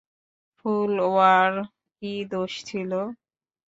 ফুলওয়ার কী দোষ ছিল?